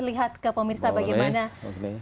lihat ke pemirsa bagaimana